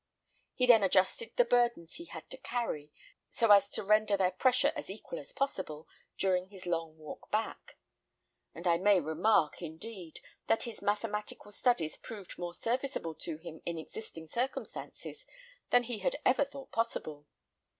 He then adjusted the burdens he had to carry, so as to render their pressure as equal as possible, during his long walk back; and I may remark, indeed, that his mathematical studies proved more serviceable to him in existing circumstances than he had ever thought possible.